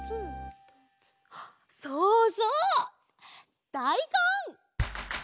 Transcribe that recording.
そうそうだいこん！